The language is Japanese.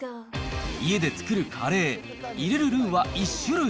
家で作るカレー、入れるルーは１種類？